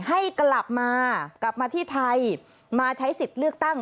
ให้กลับมากลับมาที่ไทยมาใช้สิทธิ์เลือกตั้ง